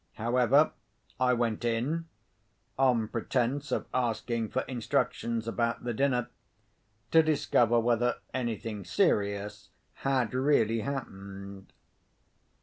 However, I went in (on pretence of asking for instructions about the dinner) to discover whether anything serious had really happened.